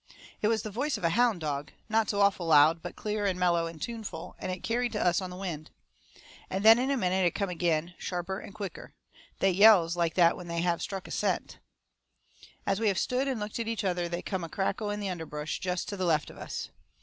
It was the voice of a hound dog not so awful loud, but clear and mellow and tuneful, and carried to us on the wind. And then in a minute it come agin, sharper and quicker. They yells like that when they have struck a scent. As we stood and looked at each other they come a crackle in the underbrush, jest to the left of us.